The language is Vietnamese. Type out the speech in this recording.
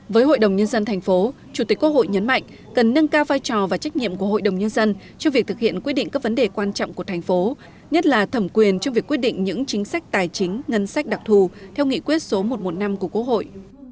với hội đồng nhân dân thành phố chủ tịch quốc hội nhấn mạnh cần nâng cao vai trò và trách nhiệm của hội đồng nhân dân trong việc thực hiện quyết định các vấn đề quan trọng của thành phố nhất là thẩm quyền trong việc quyết định những chính sách tài chính ngân sách đặc thù theo nghị quyết số một trăm một mươi năm của quốc hội